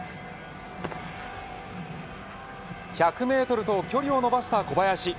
１００メートルと距離を伸ばした小林。